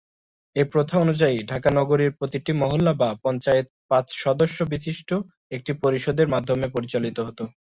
এ প্রথা অনুযায়ী ঢাকা নগরীর প্রতিটি মহল্লা বা পঞ্চায়েত পাঁচ সদস্য বিশিষ্ট একটি পরিষদের মাধ্যমে পরিচালিত হতো।